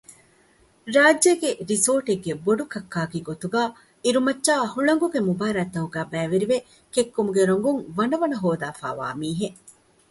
ރާއްޖޭގެ ރިސޯޓެއްގެ ބޮޑުކައްކާގެ ގޮތުން އިރުމައްޗާއި ހުޅަނގުގެ މުބާރާތްތަކުގައި ބައިވެރިވެ ކެއްކުމުގެ ރޮނގުން ވަނަވަނަ ހޯދައިފައިވާ މީހެއް